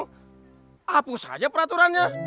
hapus saja peraturannya